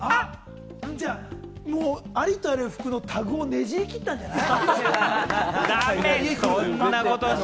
ありとあらゆる服のタグをねじり切ったんじゃない？